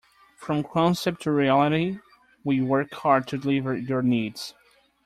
From concept to reality, we work hard to deliver your needs.